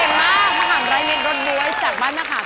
มะขามรายเงินรวดร้วยจากบ้านมะขาม